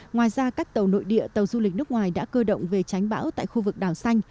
ngoài ra các tàu nội địa tàu du lịch nước ngoài đã cơ động về tránh bão tại khu vực đảo xanh